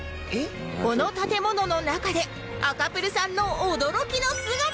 この建物の中で赤プルさんの驚きの姿が！